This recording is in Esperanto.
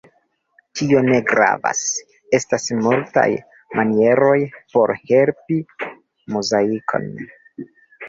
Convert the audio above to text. Tio ne gravas: estas multaj manieroj por helpi Muzaikon.